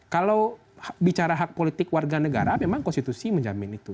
kalau bicara hak politik warga negara memang konstitusi menjamin itu